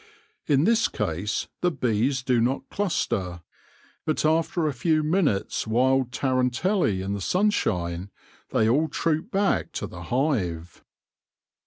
In this case the bees do not cluster, but after a few minutes wild tarantelle in the sunshine they all troop back to the hive.